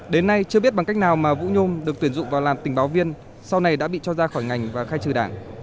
đến nay chưa biết bằng cách nào mà vũ nhôm được tuyển dụng vào làm tình báo viên sau này đã bị cho ra khỏi ngành và khai trừ đảng